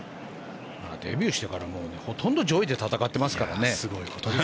デビューしてからほとんど上位で戦ってますからね。